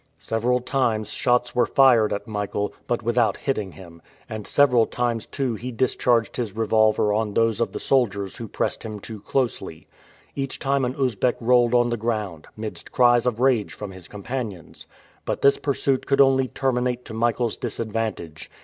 Several times shots were fired at Michael, but without hitting him, and several times too he discharged his revolver on those of the soldiers who pressed him too closely. Each time an Usbeck rolled on the ground, midst cries of rage from his companions. But this pursuit could only terminate to Michael's disadvantage.